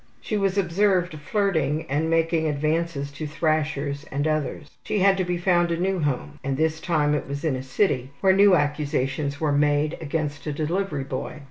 She was observed flirting and making advances to thrashers and others. She had to be found a new home, and this time it was in a city, where new accusations were made against a delivery boy.